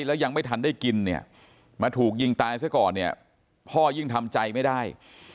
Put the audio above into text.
แล้วยังไม่ทันได้กินเนี่ยมาถูกยิงตายซะก่อนเนี่ยพ่อยิ่งทำใจไม่ได้